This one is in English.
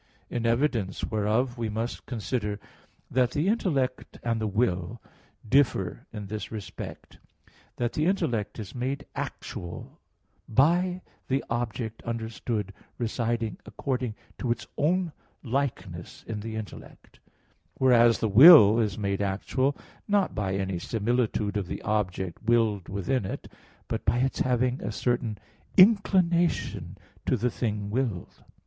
In evidence whereof we must consider that the intellect and the will differ in this respect, that the intellect is made actual by the object understood residing according to its own likeness in the intellect; whereas the will is made actual, not by any similitude of the object willed within it, but by its having a certain inclination to the thing willed.